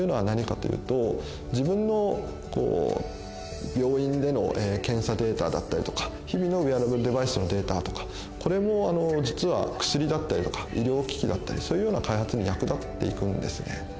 何かというと自分の病院での検査データだったりとか日々のウェアラブルデバイスのデータとかこれも実は薬だったりとか医療機器だったりそういうような開発に役立っていくんですね。